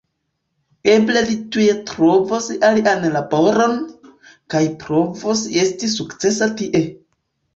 Eble li tuj trovos alian laboron, kaj provos esti sukcesa tie.